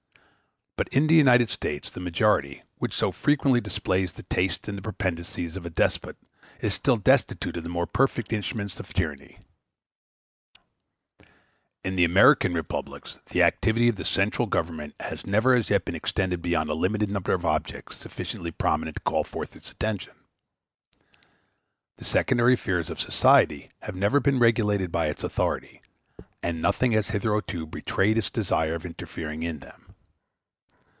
But in the United States the majority, which so frequently displays the tastes and the propensities of a despot, is still destitute of the more perfect instruments of tyranny. In the American republics the activity of the central Government has never as yet been extended beyond a limited number of objects sufficiently prominent to call forth its attention. The secondary affairs of society have never been regulated by its authority, and nothing has hitherto betrayed its desire of interfering in them.